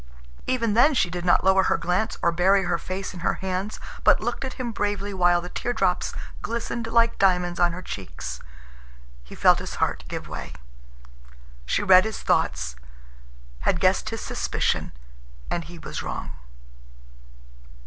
Even then she did not lower her glance or bury her face in her hands, but looked at him bravely while the tear drops glistened like diamonds on her cheeks. He felt his heart give way. She read his thoughts, had guessed his suspicion, and he was wrong.